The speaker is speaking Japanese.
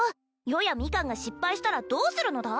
余やミカンが失敗したらどうするのだ？